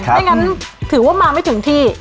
ไม่งั้นถือว่ามาไม่ถึงที่